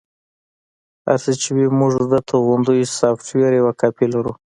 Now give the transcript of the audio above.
هر څه چې وي موږ د توغندي سافټویر یوه کاپي لرو